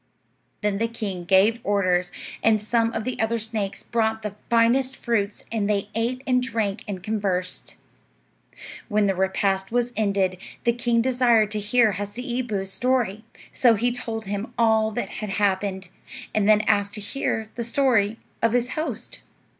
Then the king gave orders, and some of the other snakes brought the finest fruits, and they ate and drank and conversed. When the repast was ended, the king desired to hear Hasseeboo's story; so he told him all that had happened, and then asked to hear the story of his host.